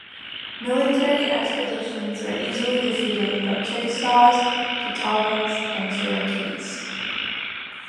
Military expeditions were easily defeated by Chickasaws, Catawbas, and Cherokees.